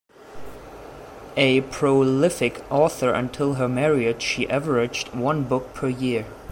A prolific author, until her marriage she averaged one book per year.